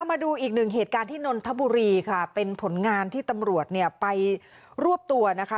มาดูอีกหนึ่งเหตุการณ์ที่นนทบุรีค่ะเป็นผลงานที่ตำรวจเนี่ยไปรวบตัวนะคะ